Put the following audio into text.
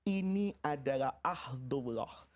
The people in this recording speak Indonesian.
ini adalah ahlulullah